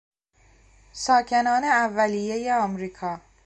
ساکنان اولیهی امریکا